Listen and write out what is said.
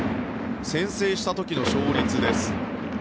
先制した時の勝率です。